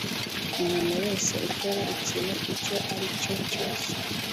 Umuntu wese ukora ikintu icyo ari cyo cyose